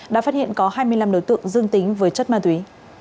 đã phát hiện có hai mươi năm đối tượng dương tính với chất ma túy